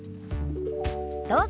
どうぞ。